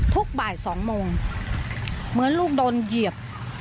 ทุกบ่าย๒โมงเหมือนลูกโดนเหยียบ